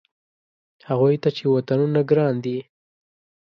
هغوی ته چې وطنونه ګران دي.